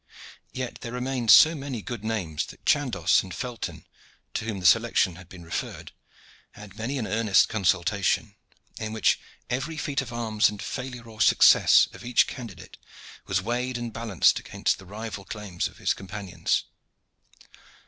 Yet there remained so many good names that Chandos and Felton, to whom the selection had been referred, had many an earnest consultation, in which every feat of arms and failure or success of each candidate was weighed and balanced against the rival claims of his companions.